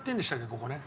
ここね。